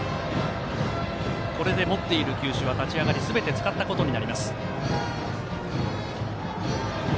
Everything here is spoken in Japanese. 持っている球種は立ち上がりすべて使ったことになります。